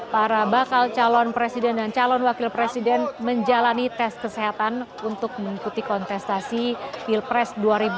para bakal calon presiden dan calon wakil presiden menjalani tes kesehatan untuk mengikuti kontestasi pilpres dua ribu dua puluh